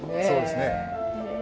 そうですね。